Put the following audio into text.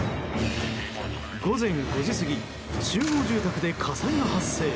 午前５時過ぎ集合住宅で火災が発生。